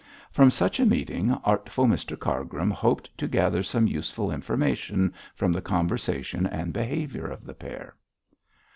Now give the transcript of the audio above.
From such a meeting artful Mr Cargrim hoped to gather some useful information from the conversation and behaviour of the pair.